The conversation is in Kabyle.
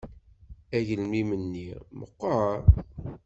Agelmim-nni meɣɣer.